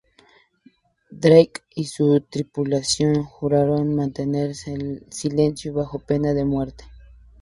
Drake y su tripulación juraron mantener silencio bajo pena de muerte.